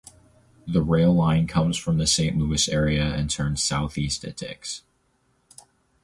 The rail line comes from the Saint Louis area and turns southeast at Dix.